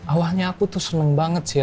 awalnya aku tuh seneng banget sih